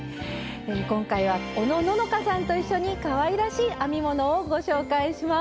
今回はおのののかさんと一緒にかわいらしい編み物をご紹介します。